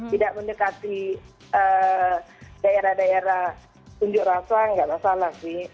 tidak mendekati daerah daerah punjuk rasuah nggak masalah sih